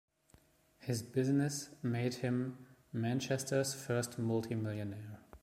His business made him Manchester's first multi-millionaire.